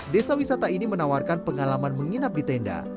desa wisata ini menawarkan pengalaman menginap di tenda